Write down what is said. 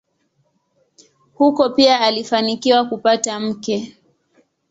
Huko pia alifanikiwa kupata mke.